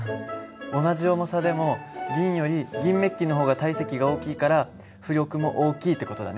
同じ重さでも銀より銀めっきの方が体積が大きいから浮力も大きいって事だね。